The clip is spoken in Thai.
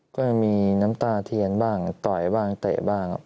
ก็มีน้ำตาเทียนบ้างต่อยบ้างเตะบ้างครับ